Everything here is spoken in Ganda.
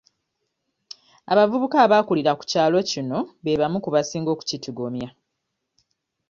Abavubuka abaakulira ku kyalo kino be bamu ku basinga okukitigomya.